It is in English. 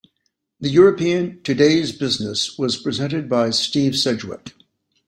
The European "Today's Business" was presented by Steve Sedgwick.